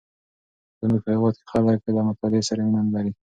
زمونږ په هیواد کې خلک له مطالعې سره مینه نه لري.